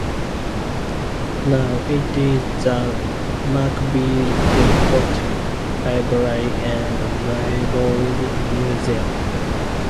Now it is the McBee Depot Library and Railroad Museum.